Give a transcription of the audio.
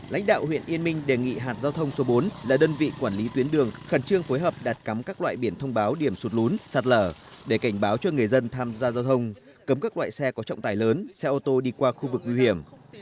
lãnh đạo huyện yên minh đề nghị hạt giao thông số bốn là đơn vị quản lý tuyến đường khẩn trương phối hợp đặt cắm các loại biển thông báo điểm sụt lún sạt lở để cảnh báo cho người dân tham gia giao thông cấm các loại xe có trọng tải lớn xe ô tô đi qua khu vực nguy hiểm